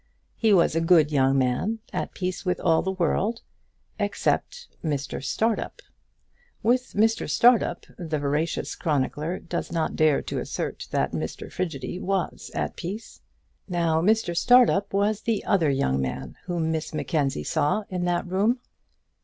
He was a good young man, at peace with all the world except Mr Startup. With Mr Startup the veracious chronicler does not dare to assert that Mr Frigidy was at peace. Now Mr Startup was the other young man whom Miss Mackenzie saw in that room.